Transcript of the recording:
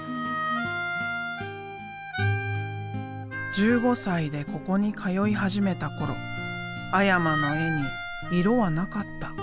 １５歳でここに通い始めた頃阿山の絵に色はなかった。